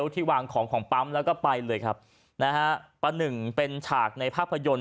ที่วางของของปั๊มแล้วก็ไปเลยครับนะฮะประหนึ่งเป็นฉากในภาพยนตร์